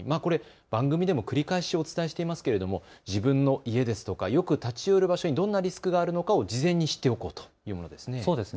番組でも繰り返しお伝えしていますが自分の家ですとかよく立ち寄る場所にどんなリスクがあるのか事前に知っておこうということですね。